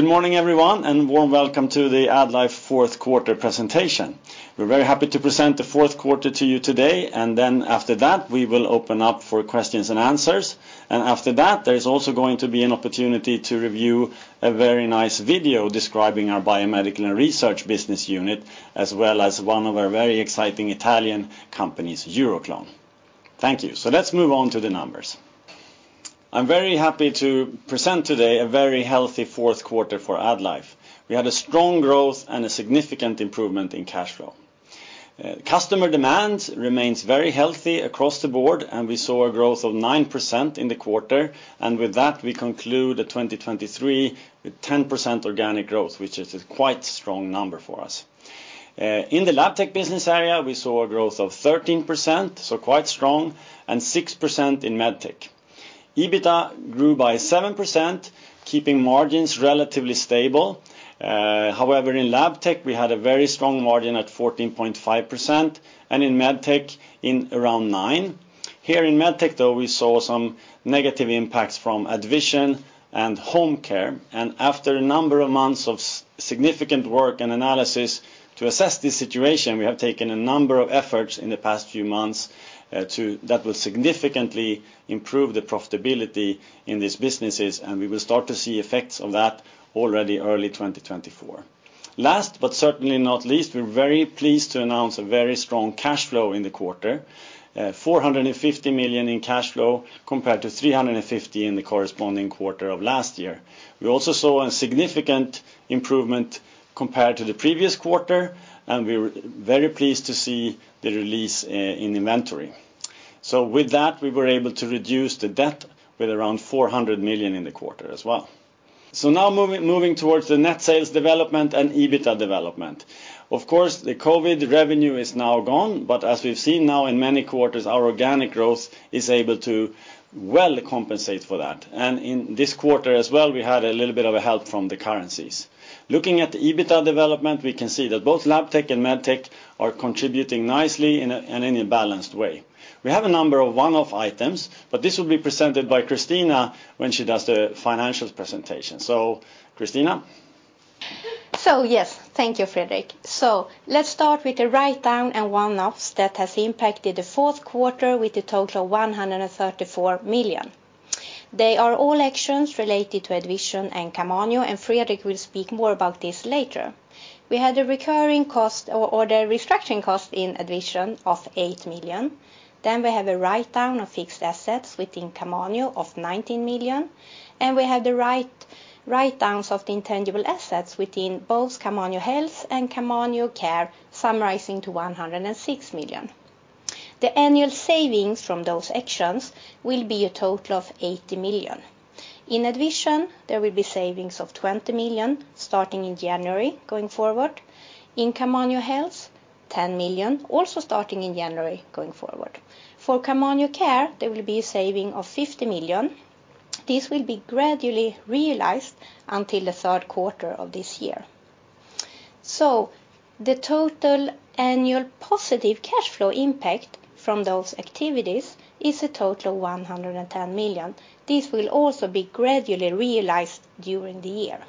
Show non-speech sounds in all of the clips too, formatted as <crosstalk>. Good morning, everyone, and warm welcome to the AddLife fourth quarter presentation. We're very happy to present the fourth quarter to you today, and then after that, we will open up for questions and answers. After that, there is also going to be an opportunity to review a very nice video describing our Biomedical and Research business unit, as well as one of our very exciting Italian companies, Euroclone. Thank you. Let's move on to the numbers. I'm very happy to present today a very healthy fourth quarter for AddLife. We had a strong growth and a significant improvement in cash flow. Customer demand remains very healthy across the board, and we saw a growth of 9% in the quarter, and with that, we conclude the 2023 with 10% organic growth, which is a quite strong number for us. In the Labtech business area, we saw a growth of 13%, so quite strong, and 6% in Medtech. EBITDA grew by 7%, keeping margins relatively stable. However, in Labtech, we had a very strong margin at 14.5%, and in Medtech, in around 9%. Here in Medtech, though, we saw some negative impacts from AddVision and Homecare, and after a number of months of significant work and analysis to assess this situation, we have taken a number of efforts in the past few months, that will significantly improve the profitability in these businesses, and we will start to see effects of that already early 2024. Last, but certainly not least, we're very pleased to announce a very strong cash flow in the quarter. 450 million in cash flow compared to 350 million in the corresponding quarter of last year. We also saw a significant improvement compared to the previous quarter, and we were very pleased to see the release in inventory. So with that, we were able to reduce the debt with around 400 million in the quarter as well. So now moving towards the net sales development and EBITDA development. Of course, the COVID revenue is now gone, but as we've seen now in many quarters, our organic growth is able to well compensate for that. And in this quarter as well, we had a little bit of a help from the currencies. Looking at the EBITDA development, we can see that both Labtech and Medtech are contributing nicely in a balanced way. We have a number of one-off items, but this will be presented by Christina when she does the financials presentation. So Christina? So yes, thank you, Fredrik. So let's start with the write-down and one-offs that has impacted the fourth quarter with a total of 134 million. They are all actions related to AddVision and Camanio, and Fredrik will speak more about this later. We had a recurring cost or the restructuring cost in AddVision of 8 million. Then we have a write-down of fixed assets within Camanio of 19 million, and we have the write-downs of the intangible assets within both Camanio Health and Camanio Care, summarizing to 106 million. The annual savings from those actions will be a total of 80 million. In AddVision, there will be savings of 20 million, starting in January, going forward. In Camanio Health, 10 million, also starting in January, going forward. For Camanio Care, there will be a saving of 50 million. This will be gradually realized until the third quarter of this year. So the total annual positive cash flow impact from those activities is a total of 110 million. This will also be gradually realized during the year.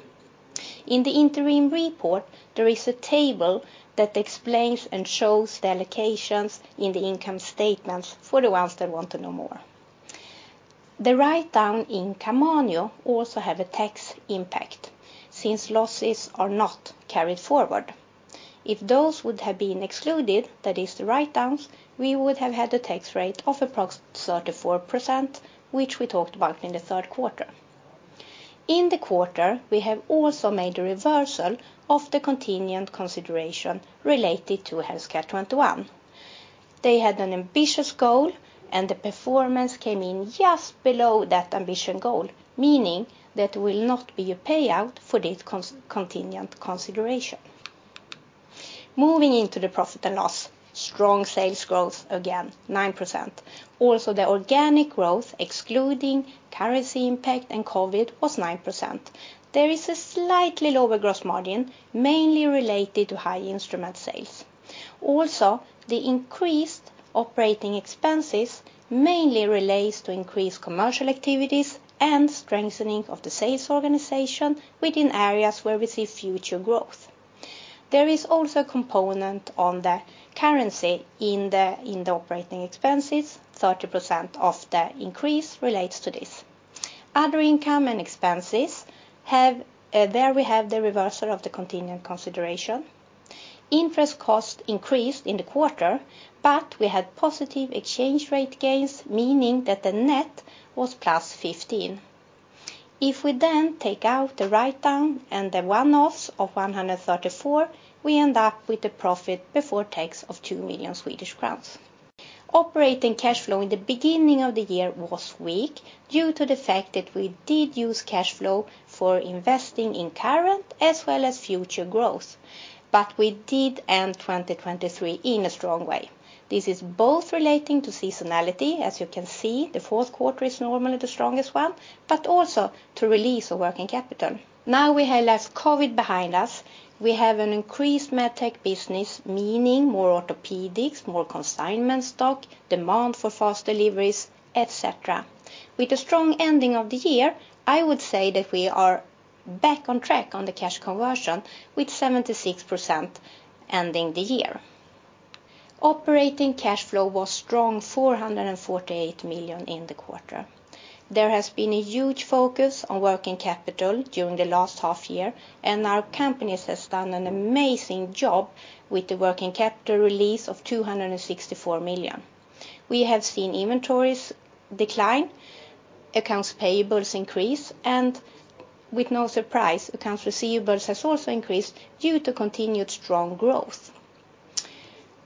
In the interim report, there is a table that explains and shows the allocations in the income statements for the ones that want to know more. The write-down in Camanio also have a tax impact since losses are not carried forward. If those would have been excluded, that is the write-downs, we would have had a tax rate of approx 34%, which we talked about in the third quarter. In the quarter, we have also made a reversal of the contingent consideration related to Healthcare 21. They had an ambitious goal, and the performance came in just below that ambition goal, meaning there will not be a payout for this contingent consideration. Moving into the profit and loss, strong sales growth, again, 9%. Also, the organic growth, excluding currency impact and COVID, was 9%. There is a slightly lower gross margin, mainly related to high instrument sales. Also, the increased operating expenses mainly relates to increased commercial activities and strengthening of the sales organization within areas where we see future growth. There is also a component on the currency in the operating expenses. 30% of the increase relates to this. Other income and expenses, have, there we have the reversal of the contingent consideration. Interest cost increased in the quarter, but we had positive exchange rate gains, meaning that the net was +15. If we then take out the write-down and the one-offs of 134 million, we end up with a profit before tax of 2 million Swedish crowns. Operating cash flow in the beginning of the year was weak due to the fact that we did use cash flow for investing in current as well as future growth, but we did end 2023 in a strong way. This is both relating to seasonality, as you can see, the fourth quarter is normally the strongest one, but also to release a working capital. Now we have less COVID behind us. We have an increased Medtech business, meaning more orthopedics, more consignment stock, demand for fast deliveries, et cetera. With a strong ending of the year, I would say that we are back on track on the cash conversion, with 76% ending the year. Operating cash flow was strong, 448 million in the quarter. There has been a huge focus on working capital during the last half year, and our companies has done an amazing job with the working capital release of 264 million. We have seen inventories decline, accounts payables increase, and with no surprise, accounts receivables has also increased due to continued strong growth.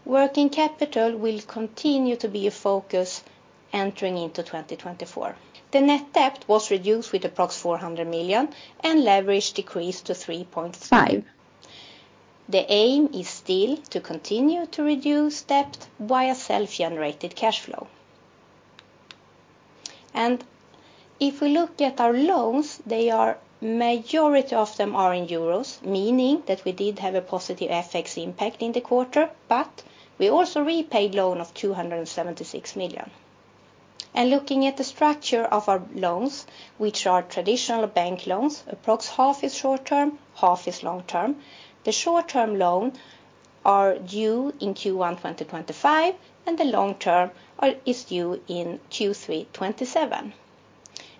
Working capital will continue to be a focus entering into 2024. The net debt was reduced with approx 400 million, and leverage decreased to 3.5x. The aim is still to continue to reduce debt via self-generated cash flow. If we look at our loans, they are, majority of them are in euros, meaning that we did have a positive FX impact in the quarter, but we also repaid loan of 276 million. And looking at the structure of our loans, which are traditional bank loans, approx half is short term, half is long term. The short term loan are due in Q1 2025, and the long term are, is due in Q3 2027.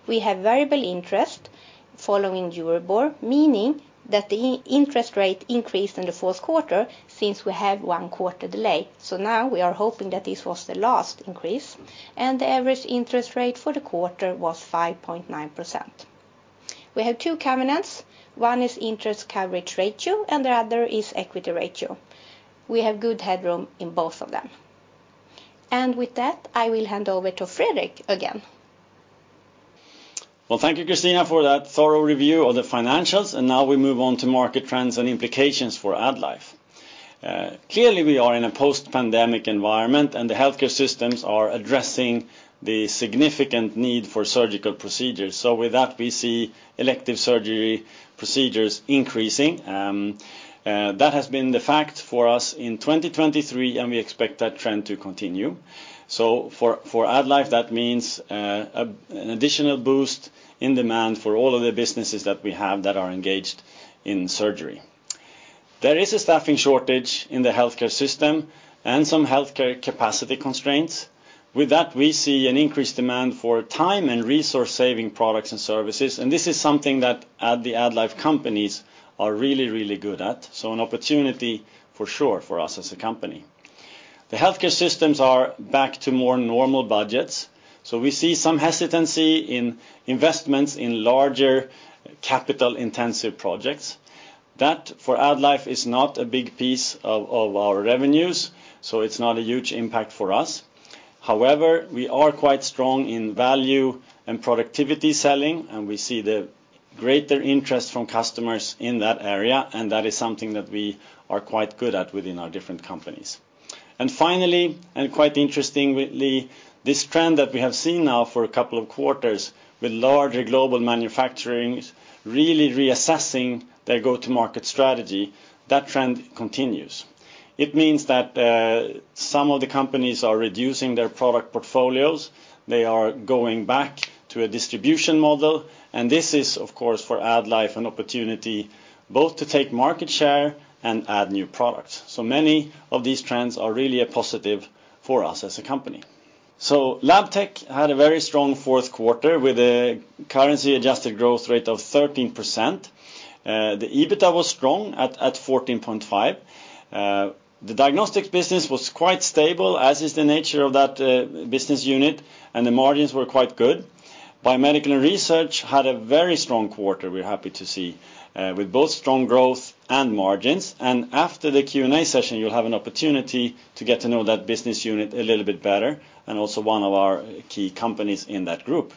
We have variable interest following EURIBOR, meaning that the interest rate increased in the fourth quarter since we had one quarter delay. So now we are hoping that this was the last increase, and the average interest rate for the quarter was 5.9%. We have two covenants. One is interest coverage ratio, and the other is equity ratio. We have good headroom in both of them. And with that, I will hand over to Fredrik again. Well, thank you, Christina, for that thorough review of the financials, and now we move on to market trends and implications for AddLife. Clearly, we are in a post-pandemic environment, and the healthcare systems are addressing the significant need for surgical procedures. So with that, we see elective surgery procedures increasing. That has been the fact for us in 2023, and we expect that trend to continue. So for AddLife, that means an additional boost in demand for all of the businesses that we have that are engaged in surgery. There is a staffing shortage in the healthcare system and some healthcare capacity constraints. With that, we see an increased demand for time and resource-saving products and services, and this is something that the AddLife companies are really, really good at, so an opportunity for sure for us as a company. The healthcare systems are back to more normal budgets, so we see some hesitancy in investments in larger capital-intensive projects. That, for AddLife, is not a big piece of our revenues, so it's not a huge impact for us. However, we are quite strong in value and productivity selling, and we see the greater interest from customers in that area, and that is something that we are quite good at within our different companies. And finally, and quite interestingly, this trend that we have seen now for a couple of quarters with larger global manufacturing really reassessing their go-to-market strategy, that trend continues. It means that some of the companies are reducing their product portfolios. They are going back to a distribution model, and this is, of course, for AddLife, an opportunity both to take market share and add new products. So many of these trends are really a positive for us as a company. Labtech had a very strong fourth quarter with a currency-adjusted growth rate of 13%. The EBITDA was strong at 14.5%. The diagnostics business was quite stable, as is the nature of that business unit, and the margins were quite good. Biomedical research had a very strong quarter, we're happy to see, with both strong growth and margins. After the Q&A session, you'll have an opportunity to get to know that business unit a little bit better and also one of our key companies in that group.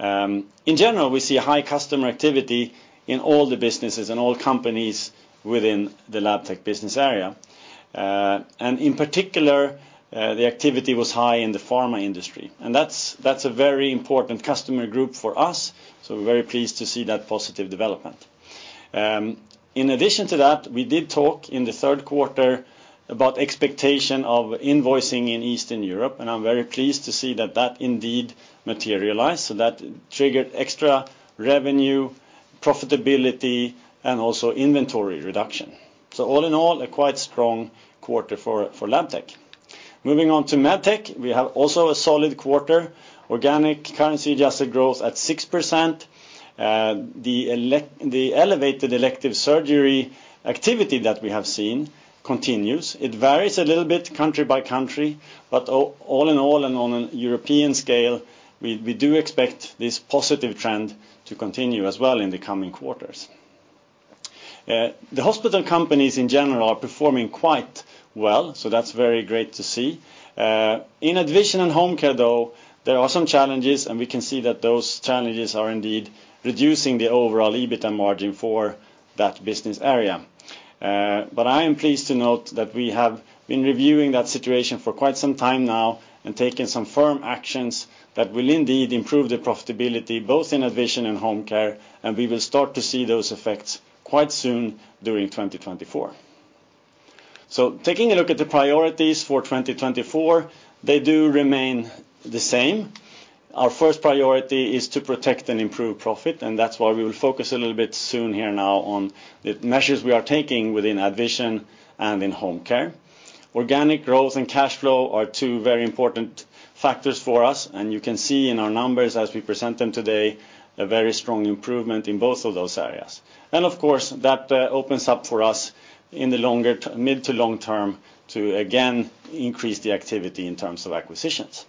In general, we see a high customer activity in all the businesses and all companies within the Labtech business area. And in particular, the activity was high in the pharma industry, and that's, that's a very important customer group for us, so we're very pleased to see that positive development. In addition to that, we did talk in the third quarter about expectation of invoicing in Eastern Europe, and I'm very pleased to see that that indeed materialized. So that triggered extra revenue, profitability, and also inventory reduction. So all in all, a quite strong quarter for Labtech. Moving on to Medtech, we have also a solid quarter, organic currency-adjusted growth at 6%. The elevated elective surgery activity that we have seen continues. It varies a little bit country by country, but all in all and on an European scale, we, we do expect this positive trend to continue as well in the coming quarters. The hospital companies in general are performing quite well, so that's very great to see. In AddVision and Homecare, though, there are some challenges, and we can see that those challenges are indeed reducing the overall EBITDA margin for that business area. But I am pleased to note that we have been reviewing that situation for quite some time now and taking some firm actions that will indeed improve the profitability, both in AddVision and Homecare, and we will start to see those effects quite soon during 2024. So taking a look at the priorities for 2024, they do remain the same. Our first priority is to protect and improve profit, and that's why we will focus a little bit soon here now on the measures we are taking within AddVision and in Homecare. Organic growth and cash flow are two very important factors for us, and you can see in our numbers as we present them today, a very strong improvement in both of those areas. And of course, that opens up for us in the longer, mid to long term, to again, increase the activity in terms of acquisitions.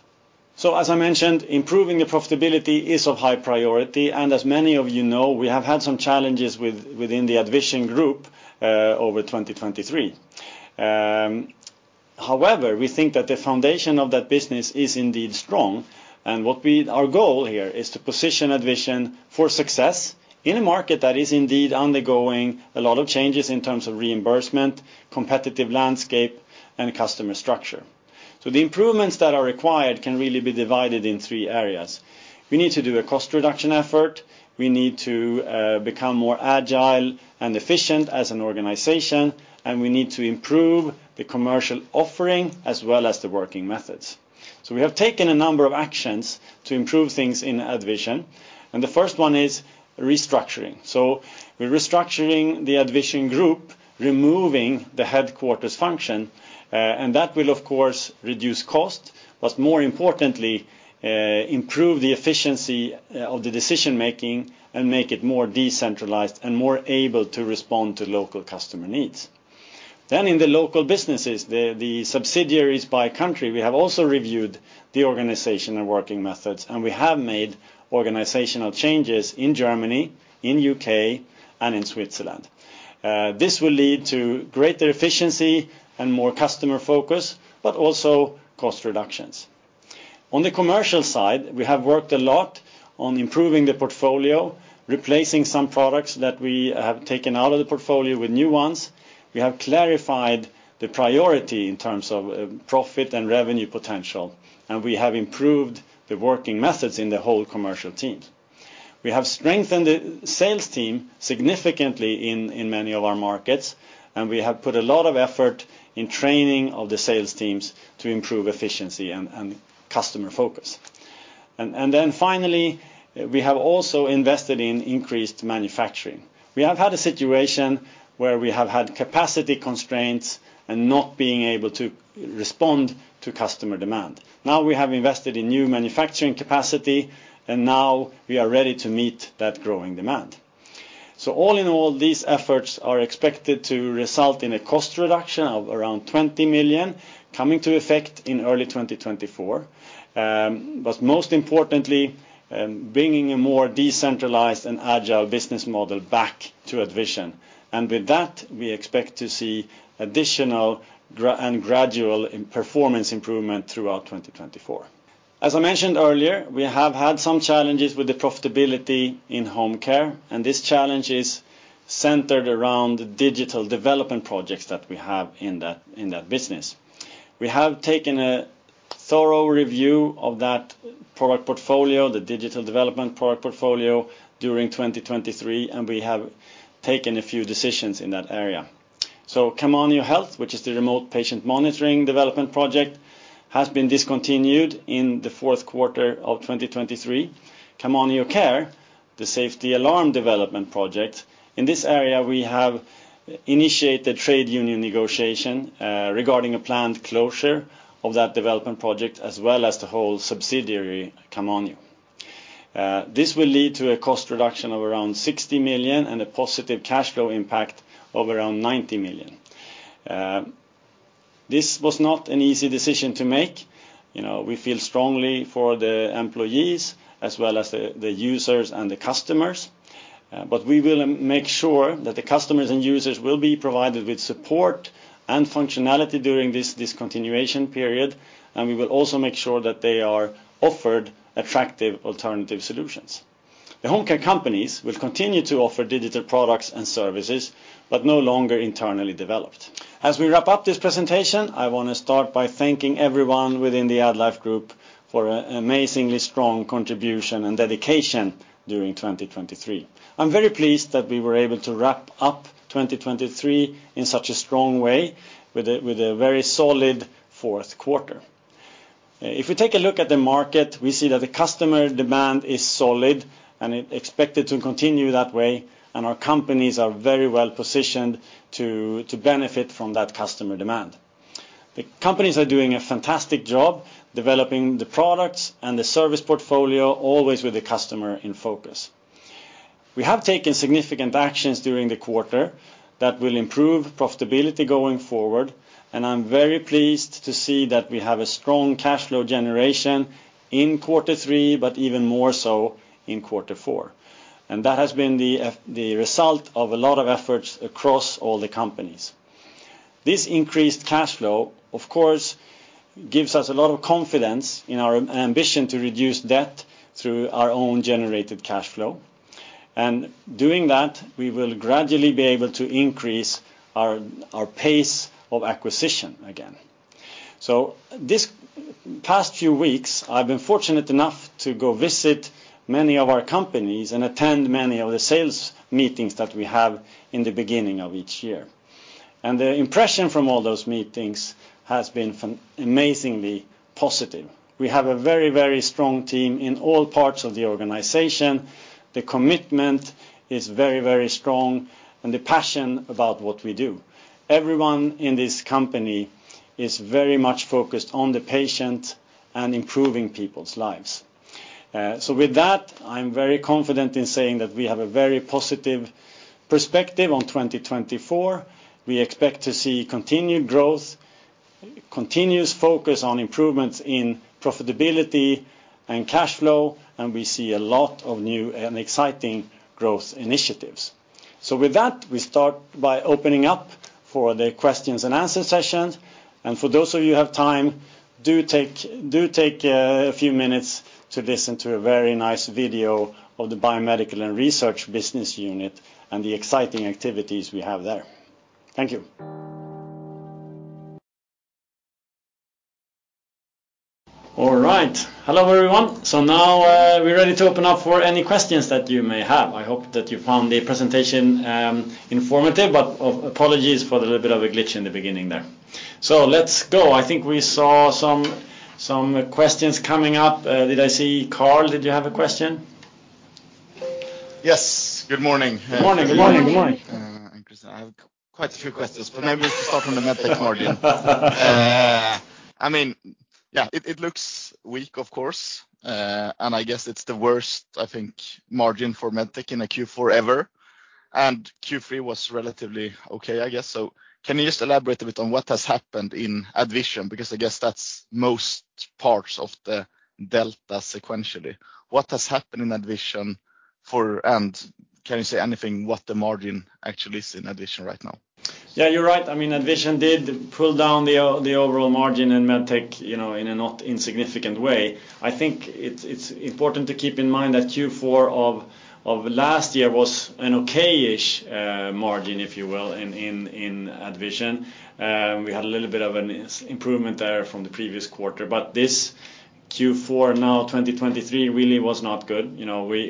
So as I mentioned, improving the profitability is of high priority, and as many of you know, we have had some challenges within the AddVision group over 2023. However, we think that the foundation of that business is indeed strong, and our goal here is to position AddVision for success in a market that is indeed undergoing a lot of changes in terms of reimbursement, competitive landscape, and customer structure. So the improvements that are required can really be divided in three areas. We need to do a cost reduction effort, we need to become more agile and efficient as an organization, and we need to improve the commercial offering as well as the working methods. So we have taken a number of actions to improve things in AddVision, and the first one is restructuring. So we're restructuring the AddVision group, removing the headquarters function, and that will, of course, reduce cost, but more importantly, improve the efficiency of the decision making and make it more decentralized and more able to respond to local customer needs. Then in the local businesses, the subsidiaries by country, we have also reviewed the organization and working methods, and we have made organizational changes in Germany, in U.K., and in Switzerland. This will lead to greater efficiency and more customer focus, but also cost reductions. On the commercial side, we have worked a lot on improving the portfolio, replacing some products that we have taken out of the portfolio with new ones. We have clarified the priority in terms of profit and revenue potential, and we have improved the working methods in the whole commercial teams. We have strengthened the sales team significantly in many of our markets, and we have put a lot of effort in training of the sales teams to improve efficiency and customer focus. And then finally, we have also invested in increased manufacturing. We have had a situation where we have had capacity constraints and not being able to respond to customer demand. Now, we have invested in new manufacturing capacity, and now we are ready to meet that growing demand. So all in all, these efforts are expected to result in a cost reduction of around 20 million, coming to effect in early 2024, but most importantly, bringing a more decentralized and agile business model back to AddVision. And with that, we expect to see additional and gradual in performance improvement throughout 2024. As I mentioned earlier, we have had some challenges with the profitability in Homecare, and this challenge is centered around the digital development projects that we have in that, in that business. We have taken a thorough review of that product portfolio, the digital development product portfolio, during 2023, and we have taken a few decisions in that area. So Camanio Health, which is the remote patient monitoring development project, has been discontinued in the fourth quarter of 2023. Camanio Care, the safety alarm development project, in this area, we have initiated trade union negotiation regarding a planned closure of that development project, as well as the whole subsidiary Camanio. This will lead to a cost reduction of around 60 million and a positive cash flow impact of around 90 million. This was not an easy decision to make. You know, we feel strongly for the employees as well as the users and the customers, but we will make sure that the customers and users will be provided with support and functionality during this discontinuation period, and we will also make sure that they are offered attractive alternative solutions. The Homecare companies will continue to offer digital products and services, but no longer internally developed. As we wrap up this presentation, I wanna start by thanking everyone within the AddLife group for an amazingly strong contribution and dedication during 2023. I'm very pleased that we were able to wrap up 2023 in such a strong way with a very solid fourth quarter. If we take a look at the market, we see that the customer demand is solid and it expected to continue that way, and our companies are very well positioned to benefit from that customer demand. The companies are doing a fantastic job developing the products and the service portfolio, always with the customer in focus. We have taken significant actions during the quarter that will improve profitability going forward, and I'm very pleased to see that we have a strong cash flow generation in quarter three, but even more so in quarter four. That has been the result of a lot of efforts across all the companies. This increased cash flow, of course, gives us a lot of confidence in our ambition to reduce debt through our own generated cash flow. And doing that, we will gradually be able to increase our pace of acquisition again. So this past few weeks, I've been fortunate enough to go visit many of our companies and attend many of the sales meetings that we have in the beginning of each year. And the impression from all those meetings has been amazingly positive. We have a very, very strong team in all parts of the organization. The commitment is very, very strong, and the passion about what we do. Everyone in this company is very much focused on the patient and improving people's lives. So with that, I'm very confident in saying that we have a very positive perspective on 2024. We expect to see continued growth, continuous focus on improvements in profitability and cash flow, and we see a lot of new and exciting growth initiatives. So with that, we start by opening up for the questions and answer sessions. And for those of you who have time, do take a few minutes to listen to a very nice video of the Biomedical and Research business unit and the exciting activities we have there. Thank you. All right. Hello, everyone. So now, we're ready to open up for any questions that you may have. I hope that you found the presentation informative, but apologies for the little bit of a glitch in the beginning there. So let's go. I think we saw some questions coming up. Did I see Carl? Did you have a question? Yes. Good morning. Good morning. Good morning. Good morning. <audio distortion> I have quite a few questions, but maybe we start from the Medtech margin. I mean, yeah, it looks weak, of course, and I guess it's the worst, I think, margin for Medtech in a Q4 ever. Q3 was relatively okay, I guess. So can you just elaborate a bit on what has happened in AddVision? Because I guess that's most parts of the delta sequentially. What has happened in AddVision for, and can you say anything, what the margin actually is in AddVision right now? Yeah, you're right. I mean, AddVision did pull down the the overall margin in Medtech, you know, in a not insignificant way. I think it's important to keep in mind that Q4 of last year was an okay-ish margin, if you will, in AddVision. We had a little bit of an improvement there from the previous quarter, but this Q4, now, 2023, really was not good. You know, we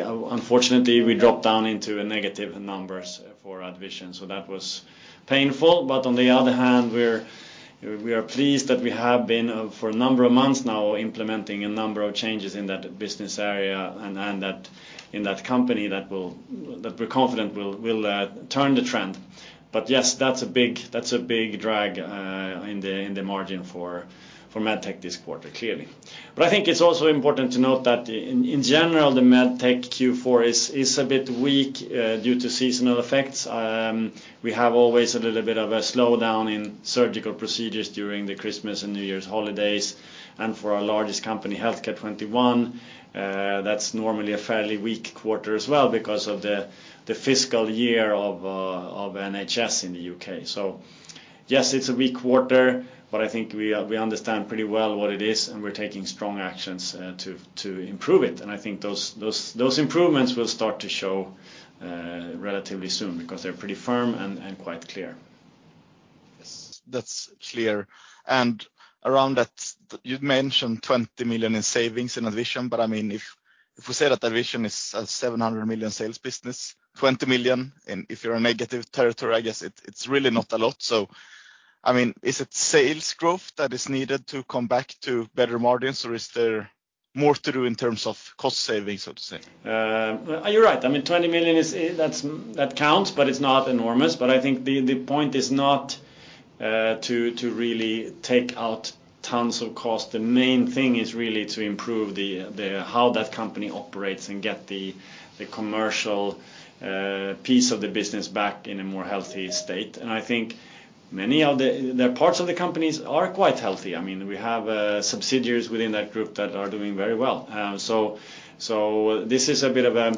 unfortunately, we dropped down into negative numbers for AddVision, so that was painful. But on the other hand, we're, we are pleased that we have been for a number of months now, implementing a number of changes in that business area and, and that, in that company that we're confident will turn the trend. But yes, that's a big, that's a big drag in the margin for Medtech this quarter, clearly. But I think it's also important to note that in general, the Medtech Q4 is a bit weak due to seasonal effects. We have always a little bit of a slowdown in surgical procedures during the Christmas and New Year's holidays. And for our largest company, Healthcare 21, that's normally a fairly weak quarter as well because of the fiscal year of NHS in the U.K. So yes, it's a weak quarter, but I think we understand pretty well what it is, and we're taking strong actions to improve it. And I think those, those, those improvements will start to show relatively soon because they're pretty firm and quite clear. Yes, that's clear. And around that, you've mentioned 20 million in savings in AddVision, but I mean, if, if we say that AddVision is a 700 million sales business, 20 million, and if you're in a negative territory, I guess it, it's really not a lot. So, I mean, is it sales growth that is needed to come back to better margins, or is there more to do in terms of cost savings, so to say? You're right. I mean, 20 million is—that's, that counts, but it's not enormous. But I think the point is not to really take out tons of cost. The main thing is really to improve the how that company operates and get the commercial piece of the business back in a more healthy state. And I think many of the, the parts of the companies are quite healthy. I mean, we have subsidiaries within that group that are doing very well. So this is a bit of a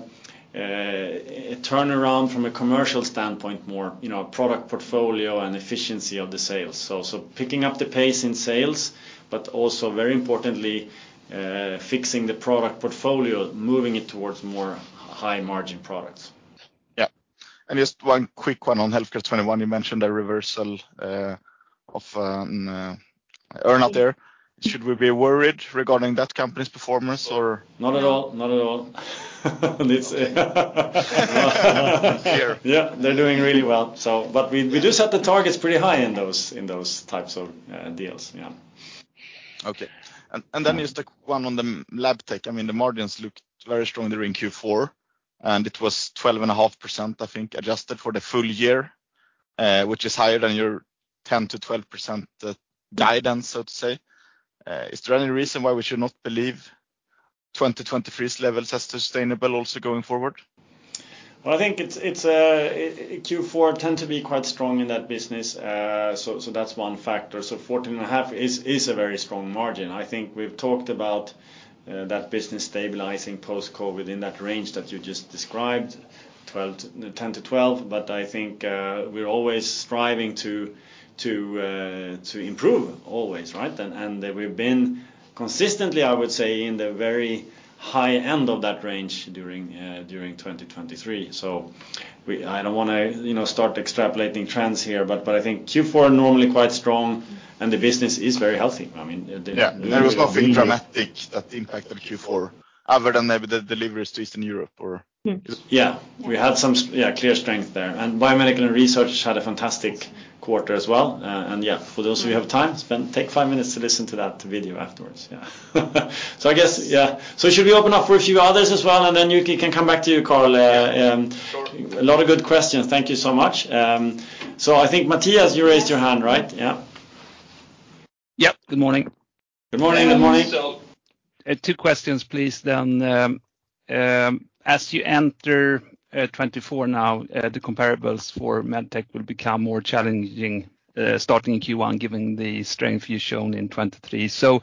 turnaround from a commercial standpoint, more, you know, product portfolio and efficiency of the sales. So picking up the pace in sales, but also, very importantly, fixing the product portfolio, moving it towards more high-margin products. Yeah. And just one quick one on Healthcare 21. You mentioned a reversal of earn out there. Should we be worried regarding that company's performance or? Not at all. Not at all. It's. Here. Yeah, they're doing really well, so. But we, we do set the targets pretty high in those, in those types of, deals, yeah. Okay. And then just one on the Labtech. I mean, the margins looked very strong during Q4, and it was 12.5%, I think, adjusted for the full year, which is higher than your 10%-12% guidance, so to say. Is there any reason why we should not believe 2023's levels as sustainable also going forward? Well, I think it's Q4 tend to be quite strong in that business. So that's one factor. So 14.5% is a very strong margin. I think we've talked about that business stabilizing post-COVID in that range that you just described, 10%-12%. But I think we're always striving to improve, always, right? And we've been consistently, I would say, in the very high end of that range during 2023. So we don't wanna, you know, start extrapolating trends here, but I think Q4 are normally quite strong, and the business is very healthy. I mean, the. Yeah, there was nothing dramatic that impacted Q4 other than maybe the deliveries to Eastern Europe or. Yes. Yeah, we had some clear strength there. And Biomedical and Research had a fantastic quarter as well. Yeah, for those who have time, take five minutes to listen to that video afterwards. Yeah. So I guess. So should we open up for a few others as well, and then you can come back to you, Carl? Yeah, sure. A lot of good questions. Thank you so much. So, I think, Mattias, you raised your hand, right? Yeah. Yep, good morning. Good morning. Good morning. So, two questions, please, then. As you enter 2024 now, the comparables for Medtech will become more challenging, starting in Q1, given the strength you've shown in 2023. So,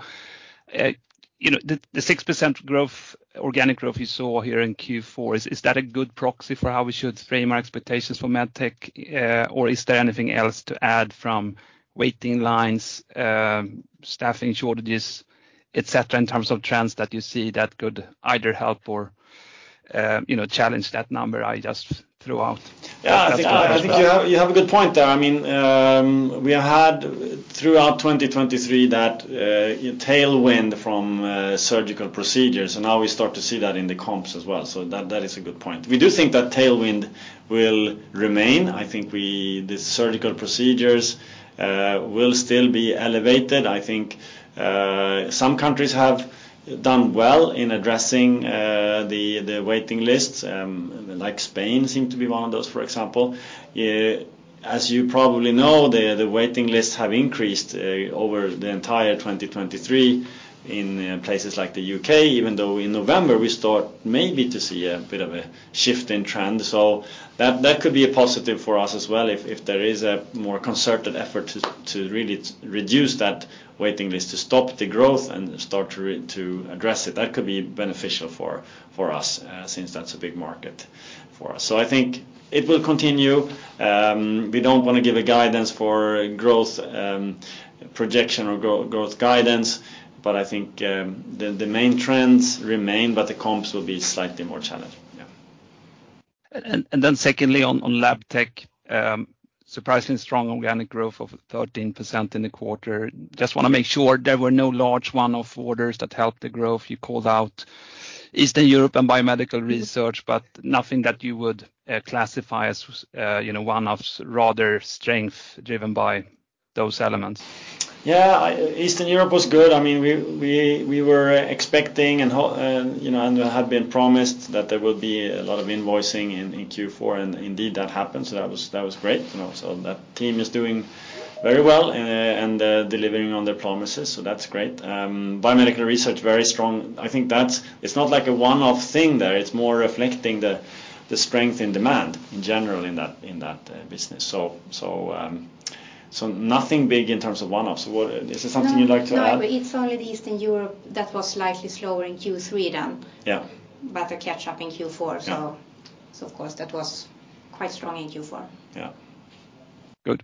you know, the 6% growth, organic growth you saw here in Q4, is that a good proxy for how we should frame our expectations for Medtech, or is there anything else to add from waiting lines, staffing shortages, et cetera, in terms of trends that you see that could either help or, you know, challenge that number I just threw out? Yeah, I think you have a good point there. I mean, we had throughout 2023 that tailwind from surgical procedures, and now we start to see that in the comps as well, so that is a good point. We do think that tailwind will remain. I think the surgical procedures will still be elevated. I think some countries have done well in addressing the waiting lists, like Spain seem to be one of those, for example. As you probably know, the waiting lists have increased over the entire 2023 in places like the U.K., even though in November, we start maybe to see a bit of a shift in trend. So that could be a positive for us as well, if there is a more concerted effort to really reduce that waiting list, to stop the growth and start to address it. That could be beneficial for us, since that's a big market for us. So I think it will continue. We don't wanna give a guidance for growth, projection or growth guidance, but I think the main trends remain, but the comps will be slightly more challenging. Yeah. Then secondly, on Labtech, surprisingly strong organic growth of 13% in the quarter. Just wanna make sure there were no large one-off orders that helped the growth. You called out Eastern Europe and biomedical research, but nothing that you would classify as, you know, one-offs, rather strength driven by those elements. Yeah, Eastern Europe was good. I mean, we were expecting and, you know, and had been promised that there would be a lot of invoicing in Q4, and indeed, that happened. So that was, that was great. You know, so that team is doing very well and delivering on their promises, so that's great. Biomedical research, very strong. I think that's not like a one-off thing there. It's more reflecting the strength in demand in general in that business. So, so nothing big in terms of one-offs. Is there something you'd like to add? No, it's only the Eastern Europe that was slightly slower in Q3 then. Yeah. A catch up in Q4. Yeah. So, of course, that was quite strong in Q4. Yeah. Good.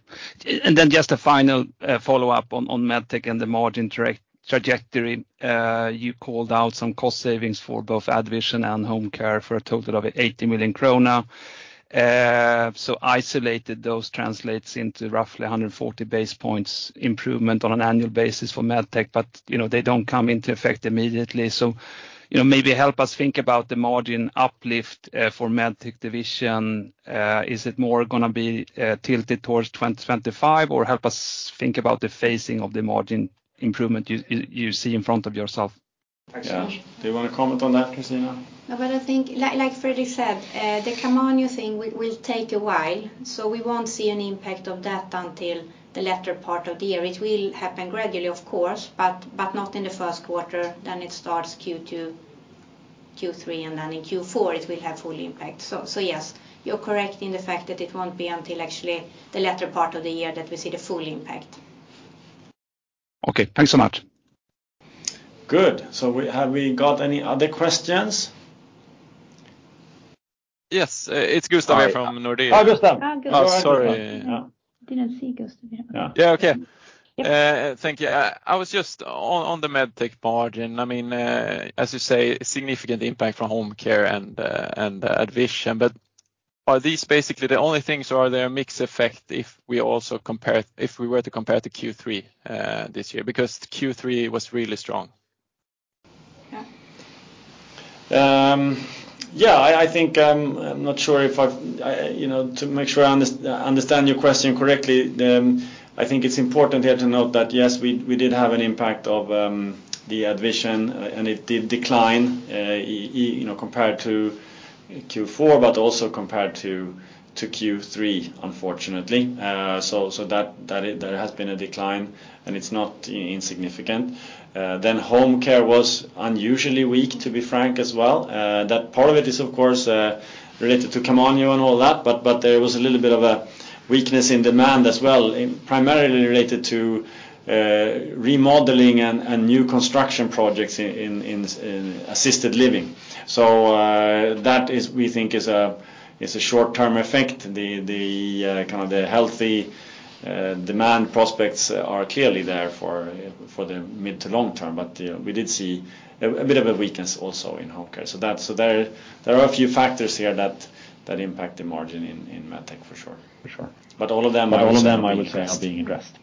And then just a final, follow-up on, on Medtech and the margin trajectory. You called out some cost savings for both AddVision and Homecare for a total of 80 million krona. So isolated, those translates into roughly 140 basis points improvement on an annual basis for Medtech, but, you know, they don't come into effect immediately. So, you know, maybe help us think about the margin uplift, for Medtech division. Is it more gonna be, tilted towards 2025, or help us think about the phasing of the margin improvement you, you, you see in front of yourself? Thanks so much. Yeah. Do you wanna comment on that, Christina? No, but I think, like Fredrik said, the Camanio thing will take a while, so we won't see any impact of that until the latter part of the year. It will happen gradually, of course, but not in the first quarter. Then it starts Q2, Q3, and then in Q4, it will have full impact. So yes, you're correct in the fact that it won't be until actually the latter part of the year that we see the full impact. Okay, thanks so much. Good. So, have we got any other questions? Yes, it's Gustav from Nordea. Hi, Gustav. Hi, Gustav. Oh, sorry. Mm-hmm. Didn't see Gustav here. Yeah, okay. Yeah. Thank you. I was just on the Medtech margin. I mean, as you say, significant impact from Homecare and AddVision, but are these basically the only things, or are there a mix effect if we were to compare to Q3 this year? Because Q3 was really strong. Yeah. Yeah, I think I'm not sure if I've, you know, to make sure I understand your question correctly, I think it's important here to note that, yes, we did have an impact of the AddVision, and it did decline, you know, compared to Q4, but also compared to Q3, unfortunately. So, there has been a decline, and it's not insignificant. Then Homecare was unusually weak, to be frank, as well. That part of it is, of course, related to Camanio and all that, but there was a little bit of a weakness in demand as well, primarily related to remodeling and new construction projects in assisted living. So, that is, we think, a short-term effect. The kind of healthy demand prospects are clearly there for the mid- to long-term, but we did see a bit of a weakness also in Homecare. So there are a few factors here that impact the margin in Medtech, for sure. For sure. But all of them, all of them, I would say, are being addressed.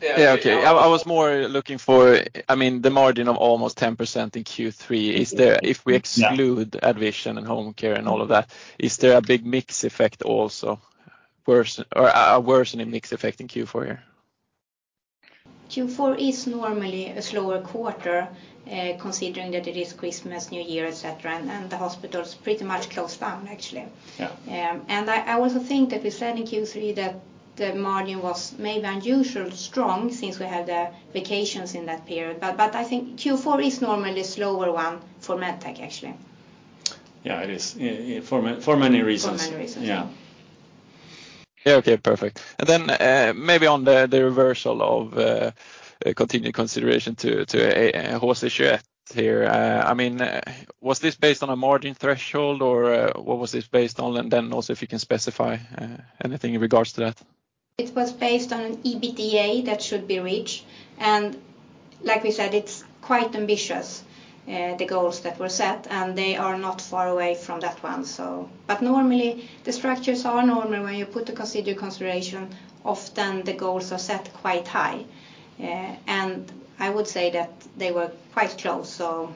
Yeah, okay. I, I was more looking for, I mean, the margin of almost 10% in Q3, is there. Yeah. If we exclude AddVision and Homecare and all of that, is there a big mix effect also, worse or a worsening mix effect in Q4 here? Q4 is normally a slower quarter, considering that it is Christmas, New Year, et cetera, and the hospital is pretty much closed down, actually. Yeah. I also think that we said in Q3 that the margin was maybe unusually strong since we had the vacations in that period. But I think Q4 is normally a slower one for Medtech, actually. Yeah, it is, yeah, for many reasons. For many reasons. Yeah. Yeah. Okay, perfect. And then, maybe on the reversal of contingent consideration to the acquisition here. I mean, was this based on a margin threshold, or what was this based on? And then also, if you can specify anything in regards to that. It was based on an EBITDA that should be reached, and like we said, it's quite ambitious, the goals that were set, and they are not far away from that one, so. But normally, the structures are normal. When you put the continued consideration, often the goals are set quite high, and I would say that they were quite close, so.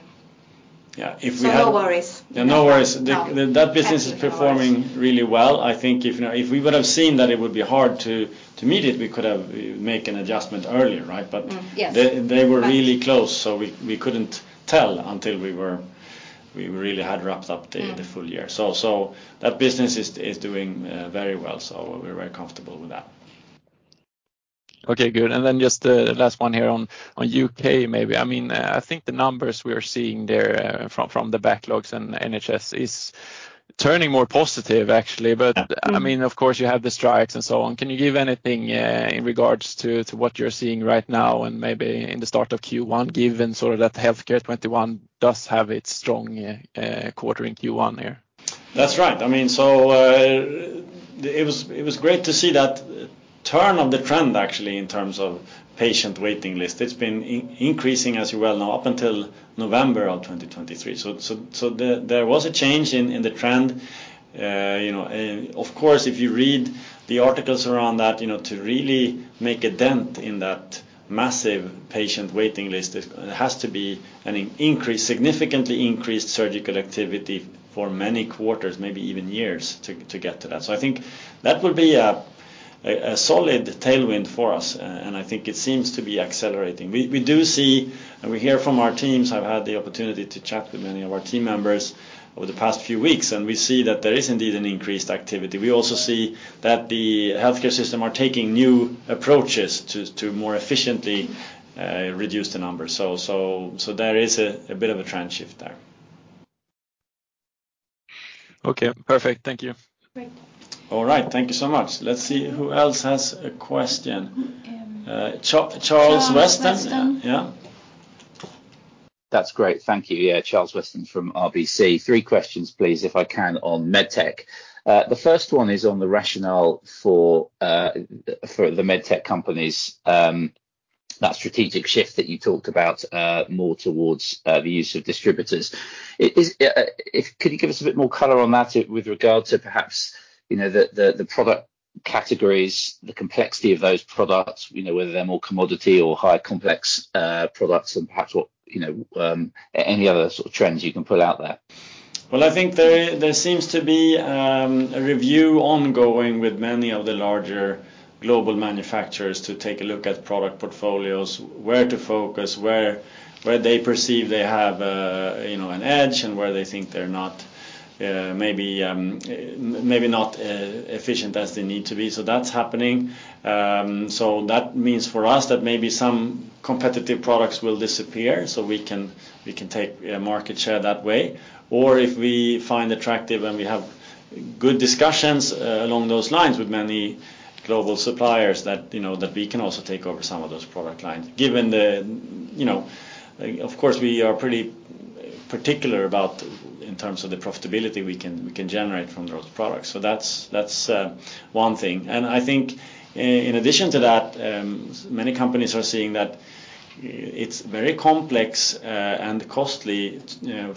Yeah, if we had. So no worries. Yeah, no worries. No. That, that business is performing really well. I think if, you know, if we would have seen that it would be hard to, to meet it, we could have make an adjustment earlier, right? Mm. Yes. But they were really close, so we couldn't tell until we really had wrapped up the. Yeah. The full year. So that business is doing very well, so we're very comfortable with that. Okay, good. And then just, the last one here on U.K., maybe. I mean, I think the numbers we are seeing there, from the backlogs and NHS is turning more positive, actually. Yeah. But, I mean, of course, you have the strikes and so on. Can you give anything, in regards to, to what you're seeing right now and maybe in the start of Q1, given sort of that Healthcare 21 does have its strong, quarter in Q1 there? That's right. I mean, so, it was, it was great to see that turn of the trend, actually, in terms of patient waiting list. It's been increasing as well now, up until November of 2023. So, there was a change in, in the trend. You know, and of course, if you read the articles around that, you know, to really make a dent in that massive patient waiting list, it has to be an increase, significantly increased surgical activity for many quarters, maybe even years, to get to that. So I think that would be a solid tailwind for us, and I think it seems to be accelerating. We do see, and we hear from our teams. I've had the opportunity to chat with many of our team members over the past few weeks, and we see that there is indeed an increased activity. We also see that the healthcare system are taking new approaches to more efficiently reduce the numbers. So there is a bit of a trend shift there. Okay, perfect. Thank you. Great. All right. Thank you so much. Let's see who else has a question. Um. Charles Weston. Charles Weston. Yeah. That's great. Thank you. Yeah, Charles Weston from RBC. Three questions, please, if I can, on Medtech. The first one is on the rationale for the Medtech companies, that strategic shift that you talked about, more towards the use of distributors. Could you give us a bit more color on that, with regard to perhaps, you know, the product categories, the complexity of those products, you know, whether they're more commodity or high complex products, and perhaps what, you know, any other sort of trends you can pull out there? Well, I think there seems to be a review ongoing with many of the larger global manufacturers to take a look at product portfolios, where to focus, where they perceive they have, you know, an edge, and where they think they're not, maybe not efficient as they need to be. So that's happening. So that means for us, that maybe some competitive products will disappear, so we can take market share that way. Or if we find attractive and we have good discussions along those lines with many global suppliers, that, you know, we can also take over some of those product lines. Given, you know, of course, we are pretty particular about in terms of the profitability we can generate from those products. So that's one thing. And I think in addition to that, many companies are seeing that it's very complex and costly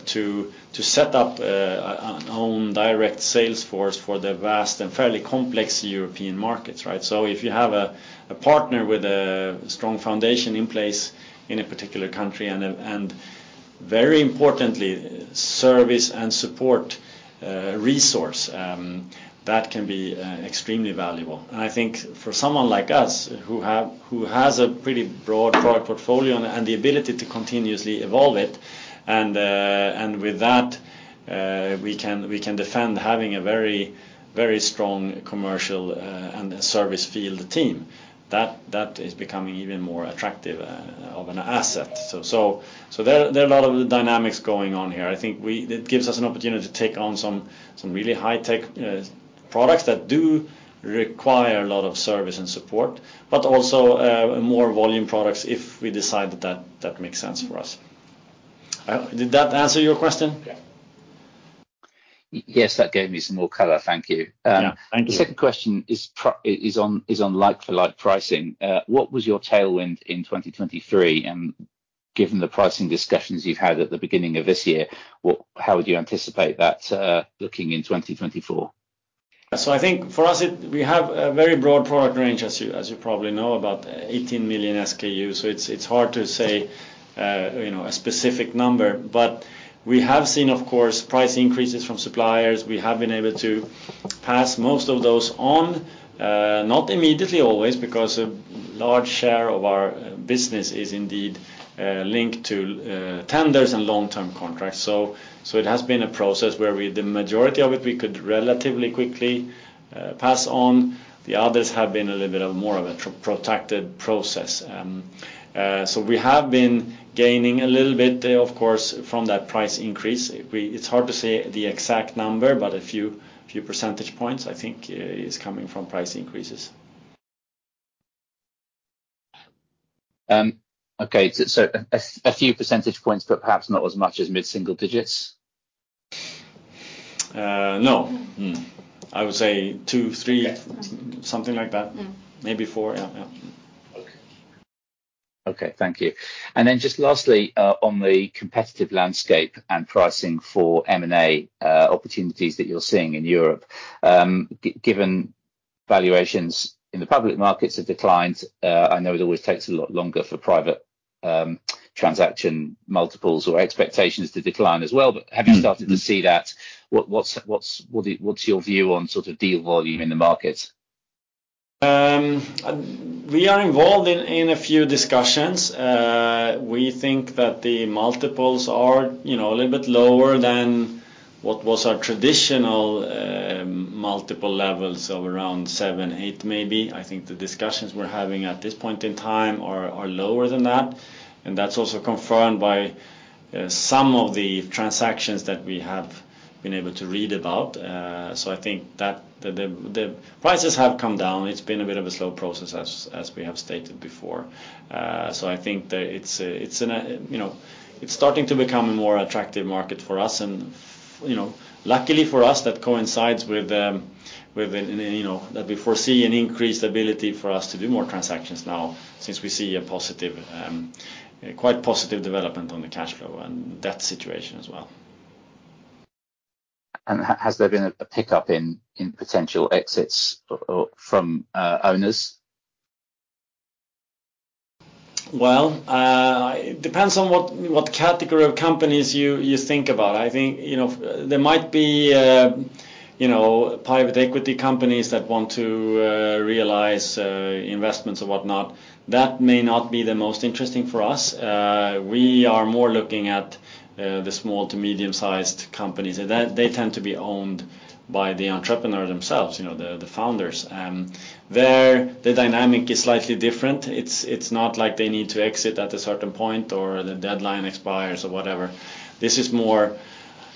to set up an own direct sales force for the vast and fairly complex European markets, right? So if you have a partner with a strong foundation in place in a particular country and very importantly, service and support resource that can be extremely valuable. And I think for someone like us, who has a pretty broad product portfolio and the ability to continuously evolve it, and with that, we can defend having a very strong commercial and service field team. That is becoming even more attractive of an asset. So there are a lot of dynamics going on here. I think we, it gives us an opportunity to take on some really high-tech products that do require a lot of service and support, but also more volume products if we decide that that makes sense for us. Did that answer your question? Yeah. Yes, that gave me some more color. Thank you. Yeah, thank you. The second question is on like-for-like pricing. What was your tailwind in 2023? And given the pricing discussions you've had at the beginning of this year, how would you anticipate that looking in 2024? So I think for us, we have a very broad product range, as you probably know, about 18 million SKUs, so it's hard to say, you know, a specific number. But we have seen, of course, price increases from suppliers. We have been able to pass most of those on, not immediately always, because a large share of our business is indeed linked to tenders and long-term contracts. So it has been a process where we, the majority of it, we could relatively quickly pass on. The others have been a little bit more of a protracted process. So we have been gaining a little bit, of course, from that price increase. It's hard to say the exact number, but a few percentage points, I think, is coming from price increases. Okay. So a few percentage points, but perhaps not as much as mid-single digits? No. I would say 2-3. Yeah. Something like that. Mm. Maybe 4. Yeah, yeah. Okay. Okay, thank you. And then just lastly, on the competitive landscape and pricing for M&A opportunities that you're seeing in Europe. Given valuations in the public markets have declined, I know it always takes a lot longer for private transaction multiples or expectations to decline as well. Mm. But have you started to see that? What's your view on sort of deal volume in the market? We are involved in a few discussions. We think that the multiples are, you know, a little bit lower than what was our traditional multiple levels of around seven, eight, maybe. I think the discussions we're having at this point in time are lower than that, and that's also confirmed by some of the transactions that we have been able to read about. So I think that the prices have come down. It's been a bit of a slow process as we have stated before. So I think that, you know, it's starting to become a more attractive market for us, and, you know, luckily for us, that coincides with, you know, that we foresee an increased ability for us to do more transactions now since we see a quite positive development on the cash flow and debt situation as well. And has there been a pickup in potential exits or from owners? Well, it depends on what category of companies you think about. I think, you know, there might be, you know, private equity companies that want to realize investments or whatnot. That may not be the most interesting for us. We are more looking at the small to medium-sized companies, and they tend to be owned by the entrepreneur themselves, you know, the founders. There, the dynamic is slightly different. It's not like they need to exit at a certain point or the deadline expires or whatever. This is more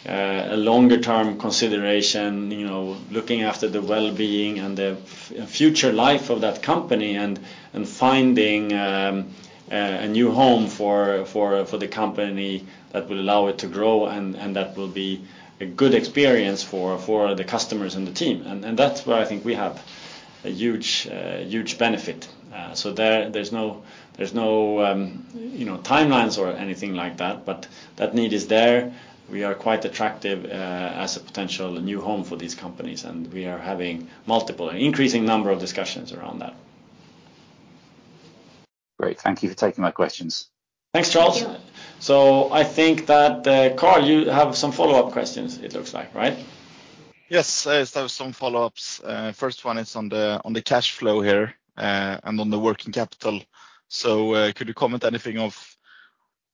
a longer term consideration, you know, looking after the well-being and the future life of that company and finding a new home for the company that will allow it to grow and that will be a good experience for the customers and the team. And that's where I think we have a huge huge benefit. So there, there's no timelines or anything like that, but that need is there. We are quite attractive as a potential new home for these companies, and we are having multiple an increasing number of discussions around that. Great. Thank you for taking my questions. Thanks, Charles. Yeah. So I think that, Carl, you have some follow-up questions, it looks like, right? Yes, I just have some follow-ups. First one is on the cash flow here, and on the working capital. So, could you comment anything of,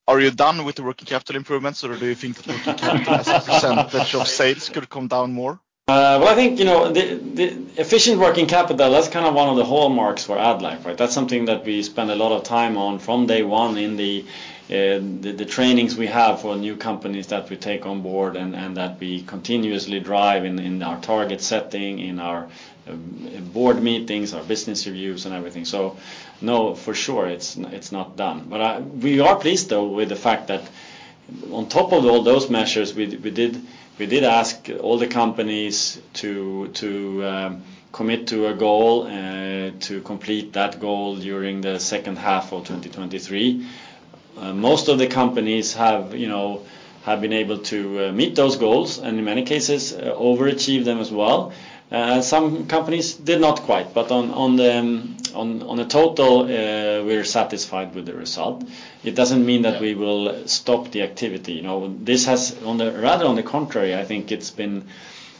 are you done with the working capital improvements, or do you think that working capital, percentage of sales could come down more? Well, I think, you know, the efficient working capital, that's kind of one of the hallmarks for AddLife, right? That's something that we spend a lot of time on from day one in the trainings we have for new companies that we take on board and that we continuously drive in our target setting, in our board meetings, our business reviews and everything. So no, for sure, it's not done. But we are pleased, though, with the fact that on top of all those measures, we ask all the companies to commit to a goal to complete that goal during the second half of 2023. Most of the companies have, you know, have been able to meet those goals and, in many cases, overachieve them as well. Some companies did not quite, but on a total, we're satisfied with the result. It doesn't mean that we will stop the activity. You know, this has on the, rather on the contrary, I think it's been,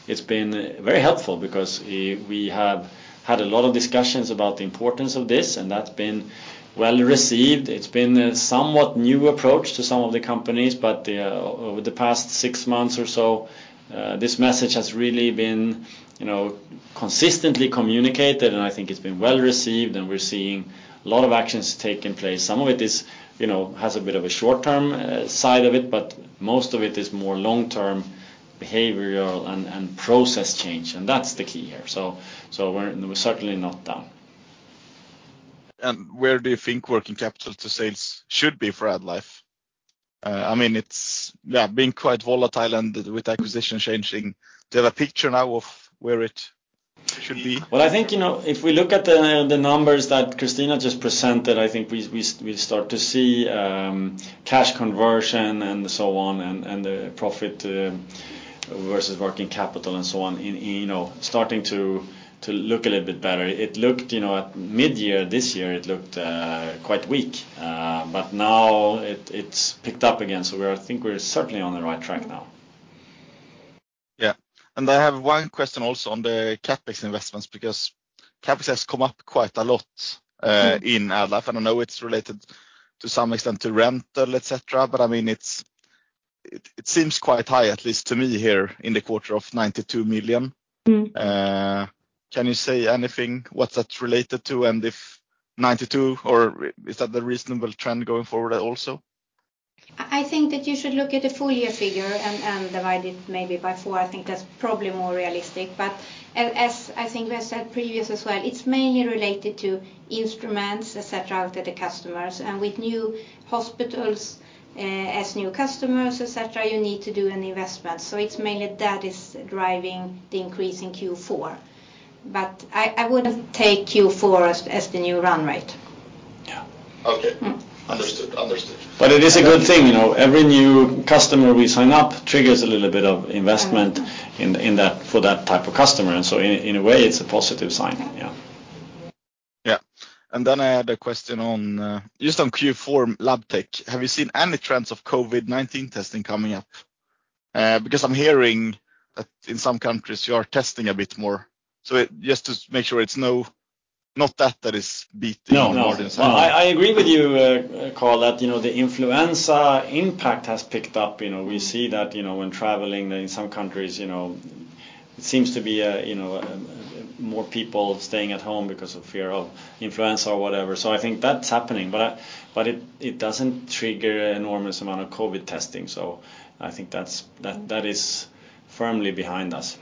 it's been very helpful because we have had a lot of discussions about the importance of this, and that's been well-received. It's been a somewhat new approach to some of the companies, but over the past six months or so, this message has really been, you know, consistently communicated, and I think it's been well-received, and we're seeing a lot of actions taking place. Some of it is, you know, has a bit of a short-term side of it, but most of it is more long-term behavioral and process change, and that's the key here. So, so we're certainly not done. And where do you think working capital to sales should be for AddLife? I mean, it's, yeah, been quite volatile, and with acquisition changing, do you have a picture now of where it should be? Well, I think, you know, if we look at the numbers that Christina just presented, I think we start to see cash conversion and so on, and the profit versus working capital and so on, in you know, starting to look a little bit better. It looked, you know, at mid-year, this year, it looked quite weak. But now it, it's picked up again. So we're—I think we're certainly on the right track now. Yeah. I have one question also on the CapEx investments, because CapEx has come up quite a lot in AddLife. I don't know, it's related to some extent to rental, et cetera, but I mean, it seems quite high, at least to me here, in the quarter of 92 million. Mm. Can you say anything, what that's related to, and if 92 million, or is that the reasonable trend going forward also? I think that you should look at the full year figure and divide it maybe by four. I think that's probably more realistic. But as I think we said previously as well, it's mainly related to instruments, et cetera, out to the customers, and with new hospitals, as new customers, et cetera, you need to do an investment. So it's mainly that is driving the increase in Q4. But I wouldn't take Q4 as the new run rate. Yeah. Okay. Mm. Understood. Understood. But it is a good thing, you know. Every new customer we sign up triggers a little bit of investment. Mm. In that for that type of customer, and so in a way, it's a positive sign. Mm. Yeah. Yeah. Then I had a question on just on Q4 Labtech. Have you seen any trends of COVID-19 testing coming up? Because I'm hearing that in some countries you are testing a bit more, so just to make sure it's not that that is beating more than. No, no. I, I agree with you, Carl, that, you know, the influenza impact has picked up. You know, we see that, you know, when traveling in some countries, you know, it seems to be, you know, more people staying at home because of fear of influenza or whatever. So I think that's happening, but but it, it doesn't trigger an enormous amount of COVID testing, so I think that's, that. Mm. That is firmly behind us.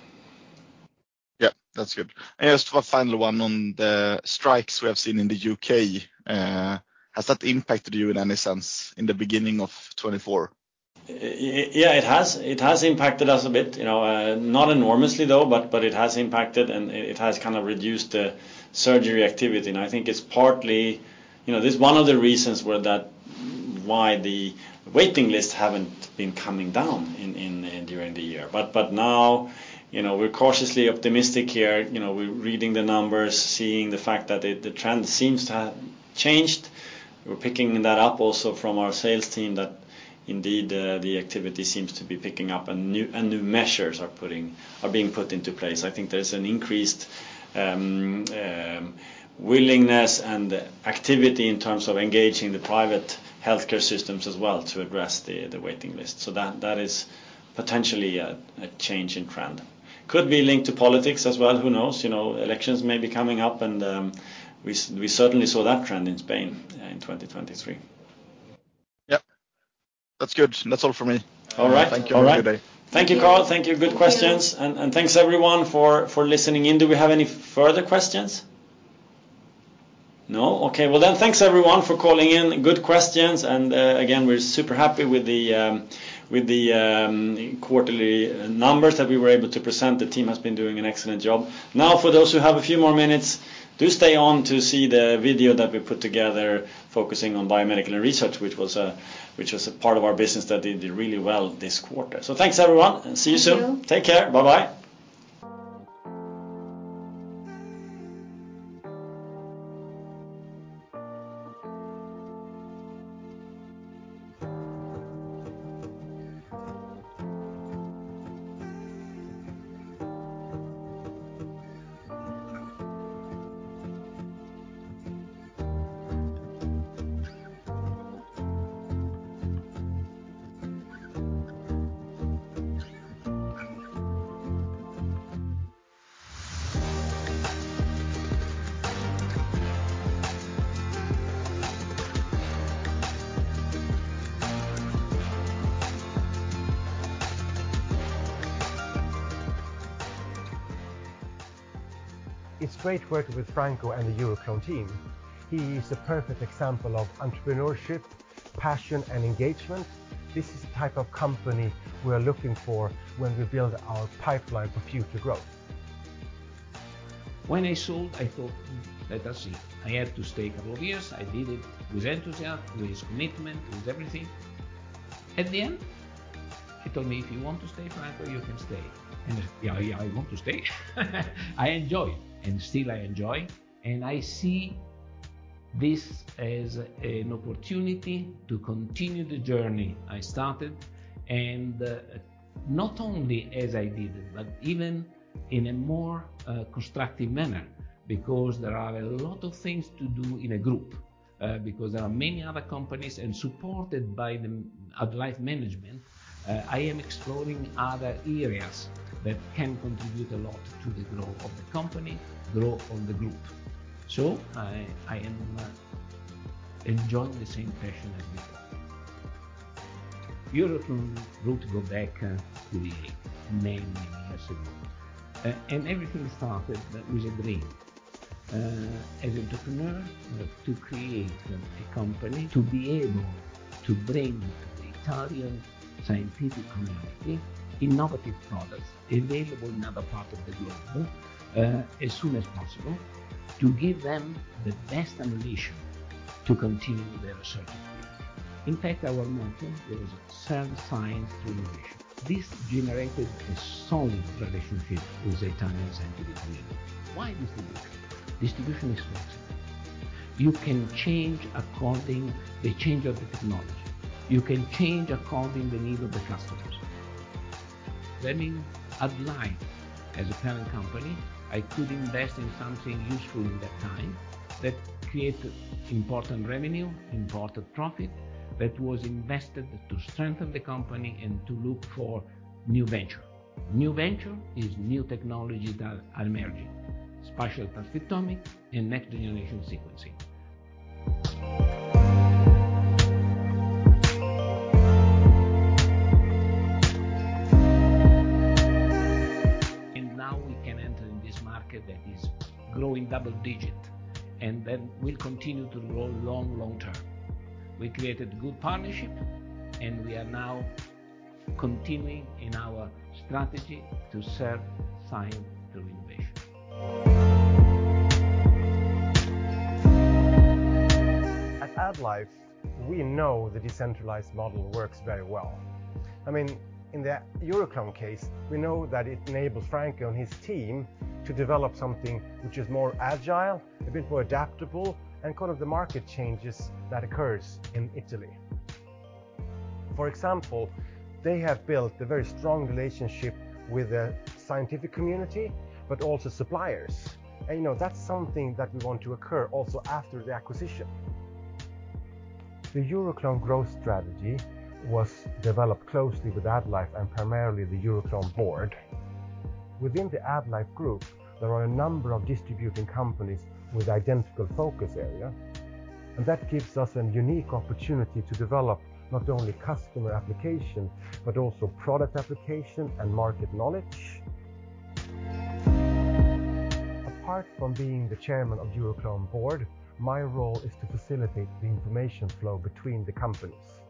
Yeah. That's good. And just a final one on the strikes we have seen in the U.K. Has that impacted you in any sense in the beginning of 2024? Yeah, it has. It has impacted us a bit, you know, not enormously, though, but it has impacted, and it has kind of reduced the surgery activity. And I think it's partly, you know, this is one of the reasons why the waiting lists haven't been coming down during the year. But now, you know, we're cautiously optimistic here. You know, we're reading the numbers, seeing the fact that the trend seems to have changed. We're picking that up also from our sales team, that indeed the activity seems to be picking up, and new measures are being put into place. I think there's an increased willingness and activity in terms of engaging the private healthcare systems as well to address the waiting list. That is potentially a change in trend. Could be linked to politics as well, who knows? You know, elections may be coming up, and we certainly saw that trend in Spain in 2023. Yeah. That's good. That's all for me. All right. Thank you, have a good day. Thank you, Carl. Thank you. Good questions. Mm-hmm. And thanks, everyone, for listening in. Do we have any further questions? No? Okay. Well, then, thanks, everyone, for calling in. Good questions, and again, we're super happy with the quarterly numbers that we were able to present. The team has been doing an excellent job. Now, for those who have a few more minutes, do stay on to see the video that we put together focusing on Biomedical and Research, which was a part of our business that did really well this quarter. So thanks, everyone, and see you soon. Thank you. Take care. Bye-bye. It's great working with Franco and the Euroclone team. He is a perfect example of entrepreneurship, passion, and engagement. This is the type of company we are looking for when we build our pipeline for future growth. When I sold, I thought, "Let us see." I had to stay a couple of years. I did it with enthusiasm, with commitment, with everything. At the end, he told me, "If you want to stay, Franco, you can stay." And, yeah, yeah, I want to stay. I enjoyed, and still I enjoy, and I see this as an opportunity to continue the journey I started, and, not only as I did, but even in a more, constructive manner, because there are a lot of things to do in a group. Because there are many other companies, and supported by the AddLife management, I am exploring other areas that can contribute a lot to the growth of the company, growth of the group. So I, I am, enjoying the same passion as before. Euroclone, we go back, many, many years ago. Everything started with a dream. As entrepreneur, to create a company, to be able to bring the Italian scientific community innovative products available in other parts of the globe, as soon as possible, to give them the best ammunition to continue their research. In fact, our motto was, "Serve science through innovation." This generated a solid relationship with the Italian scientific community. Why distribution? Distribution is flexible. You can change according to the change of the technology. You can change according to the need of the customers. Then in AddLife, as a parent company, I could invest in something useful in that time, that created important revenue, important profit, that was invested to strengthen the company and to look for new venture. New venture is new technology that are emerging, Spatial transcriptomics and Next-generation sequencing. Now we can enter in this market that is growing double-digit, and that will continue to grow long, long term. We created good partnership, and we are now continuing in our strategy to serve science through innovation. At AddLife, we know the decentralized model works very well. I mean, in the Euroclone case, we know that it enabled Franco and his team to develop something which is more agile, a bit more adaptable, and cover the market changes that occurs in Italy. For example, they have built a very strong relationship with the scientific community, but also suppliers. And you know, that's something that we want to occur also after the acquisition. The Euroclone growth strategy was developed closely with AddLife, and primarily the Euroclone board. Within the AddLife group, there are a number of distributing companies with identical focus area, and that gives us a unique opportunity to develop not only customer application, but also product application and market knowledge. Apart from being the chairman of Euroclone board, my role is to facilitate the information flow between the companies.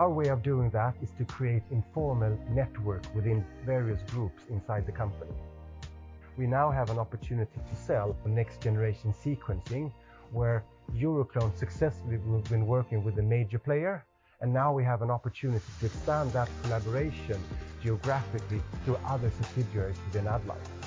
Our way of doing that is to create informal network within various groups inside the company. We now have an opportunity to sell the next-generation sequencing, where Euroclone successfully has been working with a major player, and now we have an opportunity to expand that collaboration geographically to other subsidiaries within AddLife.